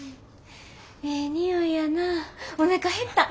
ええ匂いやなおなか減った。